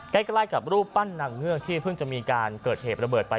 ใกล้กับรูปปั้นนางเงือกที่เพิ่งจะมีการเกิดเหตุระเบิดไป